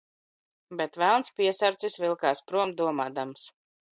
Bet velns piesarcis vilk?s prom, dom?dams: